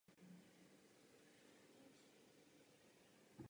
Tyto dovednosti jsou někdy označovány jako "Klíčové kompetence".